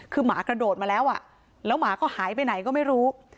คือหมากระโดดมาแล้วแล้วหมาก็หายไปไหนก็ไม่รู้